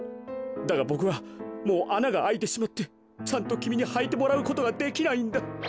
だがボクはもうあながあいてしまってちゃんときみにはいてもらうことができないんだ。